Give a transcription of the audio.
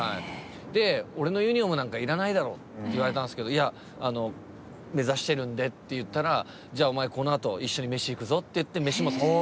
で「俺のユニフォームなんかいらないだろ」って言われたんですけど「いや目指してるんで」って言ったら「じゃあお前このあと一緒にめし行くぞ」って言ってめしも誘って。